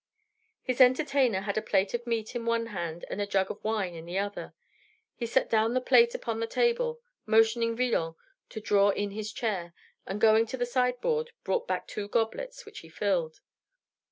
His entertainer had a plate of meat in one hand and a jug of wine in the other. He set down the plate upon the table, motioning Villon to draw in his chair, and going to the sideboard, brought back two goblets, which he filled.